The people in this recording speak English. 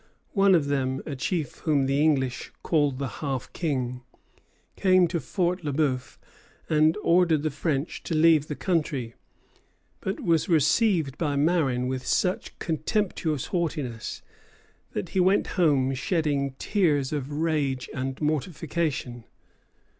One of them, a chief whom the English called the Half King, came to Fort Le Bœuf and ordered the French to leave the country; but was received by Marin with such contemptuous haughtiness that he went home shedding tears of rage and mortification.